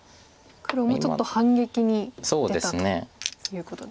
黒もちょっと反撃に出たと。